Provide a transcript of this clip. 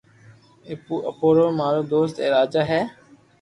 پر اورو مارو دوست اي راجا ھي